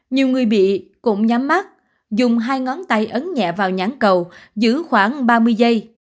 nhiều người bị cũng nhắm mắt dùng hai ngón tay ấn nhẹ vào nhãn cầu giữ khoảng ba mươi giây